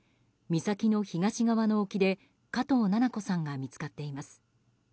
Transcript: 岬の東側の沖で加藤七菜子さんが見つかっています。